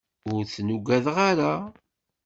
Ur ten-ugadeɣ ara.